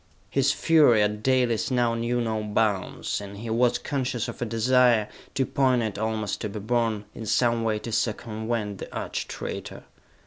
His fury at Dalis now knew no bounds, and he was conscious of a desire, too poignant almost to be borne, in some way to circumvent the arch traitor.